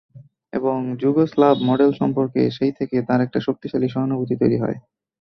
এবং Yugoslav model সম্পর্কে সেই থেকে তাঁর একটা শক্তিশালী সহানুভূতি তৈরি হয়।